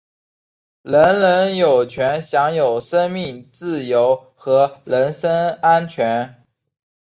人人有权享有生命、自由和人身安全。